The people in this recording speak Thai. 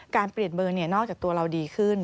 การเปลี่ยนเบอร์นอกจากตัวเราดีขึ้น